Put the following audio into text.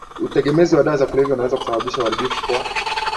Utegemezi wa dawa za kulevya unaweza kusababisha uharibifu kwa